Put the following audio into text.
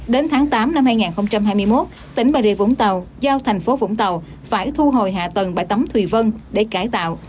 đến tháng tám năm hai nghìn hai mươi một tỉnh bà rịa vũng tàu giao thành phố vũng tàu phải thu hồi hạ tầng bãi tắm thùy vân để cải tạo